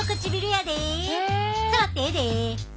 触ってええで。